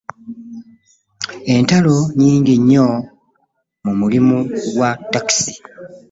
Entalo nnnnnyingi nnyo mu mulimu gwa takisi.